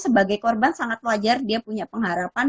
sebagai korban sangat wajar dia punya pengharapan